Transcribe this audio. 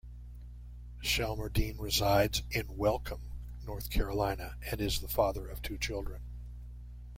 Shelmerdine resides in Welcome, North Carolina, and is the father of two children.